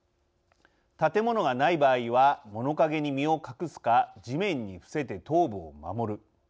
建物がない場合は物陰に身を隠すか地面に伏せて頭部を守る。